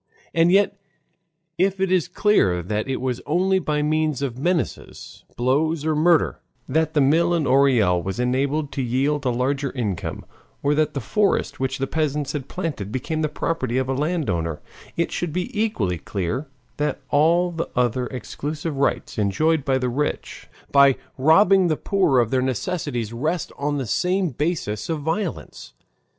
And yet if it is clear that it was only by means of menaces, blows, or murder, that the mill in Orel was enabled to yield a larger income, or that the forest which the peasants had planted became the property of a landowner, it should be equally clear that all the other exclusive rights enjoyed by the rich, by robbing the poor of their necessities, rest on the same basis of violence.